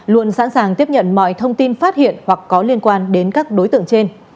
luôn sẵn sàng tiếp nhận mọi thông tin phát hiện hoặc có liên quan đến các đối tượng trên